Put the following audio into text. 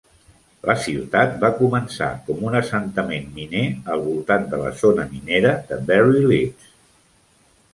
La ciutat va començar com un assentament miner al voltant de la zona minera de Berry Leads.